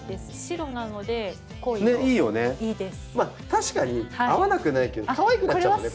確かに合わなくないけどかわいくなっちゃうもんね。